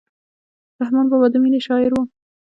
رحمان بابا د مینې شاعر و.